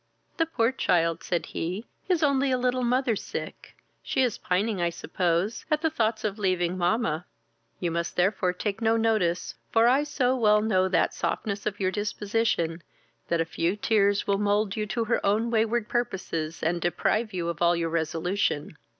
"The poor child (said he) is only a little mother sick. She is pining, I suppose, at the thoughts of leaving mamma: you must therefore take no notice, for I so well know that softness of your disposition, that a few tears will mould you to her own wayward purposes, and deprive you of all your resolution.